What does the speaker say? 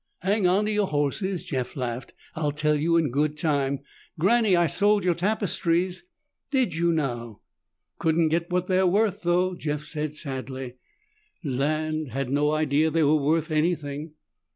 "Hang on to your horses!" Jeff laughed. "I'll tell you in good time. Granny, I sold your tapestries." "Did you now?" "Couldn't get what they're worth, though," Jeff said sadly. "Land! Had no idea they were worth anything."